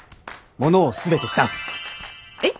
えっ？